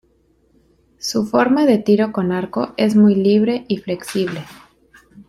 Su forma de tiro con arco es muy libre y flexible.